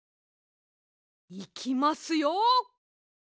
いきますよ。